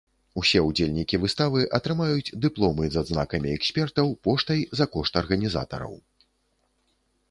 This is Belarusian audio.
Усе ўдзельнікі выставы атрымаюць дыпломы з адзнакамі экспертаў поштай за кошт арганізатараў.